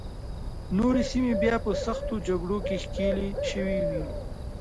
نورې سیمې بیا په سختو جګړو کې ښکېلې شوې وې.